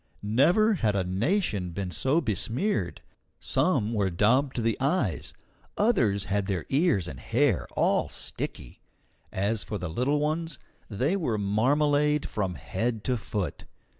Never had a nation been so besmeared. Some were daubed to the eyes, others had their ears and hair all sticky. As for the little ones, they were marmalade from head to foot.